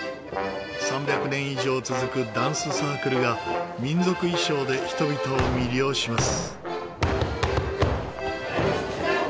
３００年以上続くダンスサークルが民族衣装で人々を魅了します。